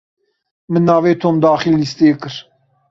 Min navê Tom daxilî lîsteyê kir.